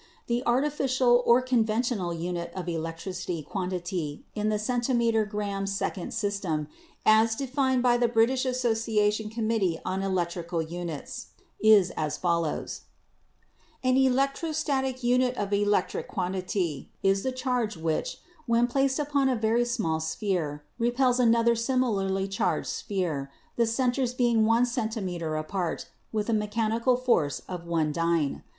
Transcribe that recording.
The artificial or conventional unit of electric quantity in the centimeter gram second system, as defined by the Brit ish Association Committee on Electrical Units, is as fol lows: " 'An electrostatic unit of electric quantity is the charge which, when placed upon a very small sphere, repels an other similarly charged sphere, the centers being one cen timeter apart, with a mechanical force of one dyne.